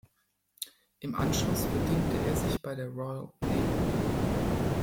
Im Anschluss verdingte er sich bei der Royal Navy.